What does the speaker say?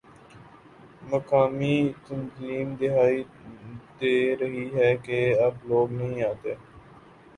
مقامی تنظیم دہائی دے رہی ہے کہ اب لوگ نہیں آتے